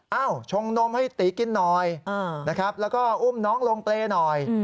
เอ้าชงนมให้ตี๋กินน้อยแล้วก็อุ้มน้องลงเปรย์หน่อย